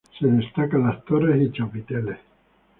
Se destacan las torres y chapiteles.